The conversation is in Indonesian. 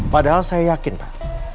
padahal saya yakin pak